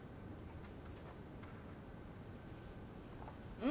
うん！